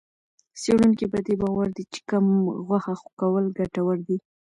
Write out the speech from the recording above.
څېړونکي په دې باور دي چې کم غوښه کول ګټور دي.